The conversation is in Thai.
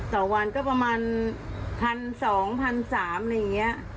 ต่อวันก็ประมาณ๑๒๓๐๐อะไรอย่างนี้